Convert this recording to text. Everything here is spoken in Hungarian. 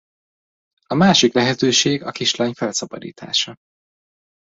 A másik lehetőség a kislány felszabadítása.